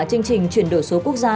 chương trình chuyển đổi số quốc gia